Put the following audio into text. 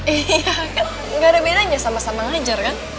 iya kan gak ada bedanya sama sama ngajar kan